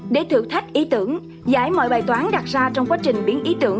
để thử thách ý tưởng giải mọi bài toán đặt ra trong quá trình biến ý tưởng